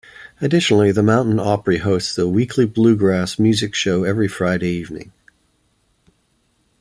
Additionally, the Mountain Opry hosts a weekly bluegrass music show every Friday evening.